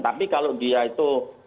tapi kalau dia itu